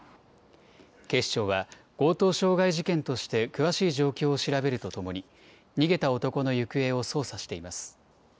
警視庁は、強盗傷害事件として詳しい状況を調べるとともに、逃げた男の行方を捜査しています。